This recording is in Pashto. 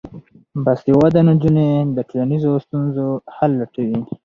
باسواده نجونې د ټولنیزو ستونزو حل لټوي.